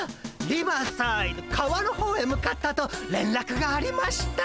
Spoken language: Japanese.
リバーサイド川の方へ向かったとれんらくがありました。